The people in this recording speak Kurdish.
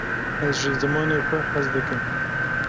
ez ji zimanê xwe hez dikim